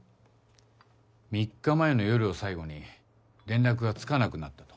３日前の夜を最後に連絡がつかなくなったと。